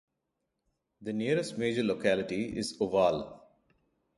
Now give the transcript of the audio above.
The nearest major locality is Ovalle.